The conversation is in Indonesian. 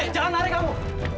jangan lari kamu